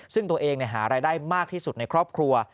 ซึ่งตัวเองหารายได้มากที่สุดในครอบครัว